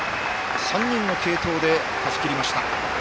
３人の継投で勝ちきりました。